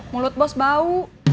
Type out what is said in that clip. mulut bos bau